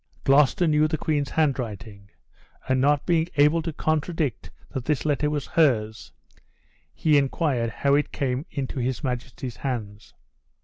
Gloucester knew the queen's handwriting; and not being able to contradict that this letter was hers, he inquired how it came into his majesty's hands.